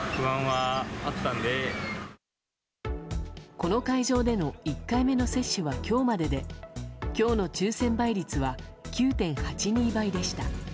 この会場での１回目の接種は今日までで今日の抽選倍率は９．８２倍でした。